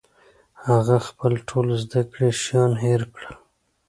هغه خپل ټول زده کړي شیان هېر کړل